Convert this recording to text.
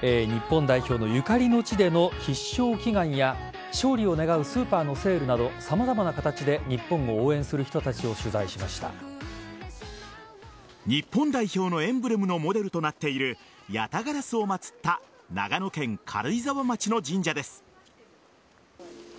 日本代表のゆかりの地での必勝祈願や勝利を願うスーパーのセールなど様々な形で日本を応援する人たちを日本代表のエンブレムのモデルとなっているヤタガラスを祭った長野県軽井沢町の神社です。